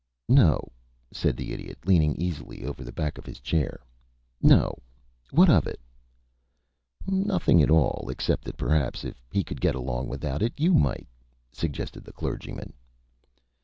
"No," said the Idiot, leaning easily over the back of his chair "no. What of it?" "Nothing at all except that perhaps if he could get along without it you might," suggested the clergyman.